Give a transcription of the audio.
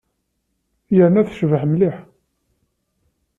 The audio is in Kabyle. Yerna tecbeḥ mliḥ.